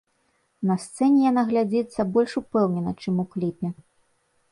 На сцэне яна глядзіцца больш упэўнена, чым у кліпе.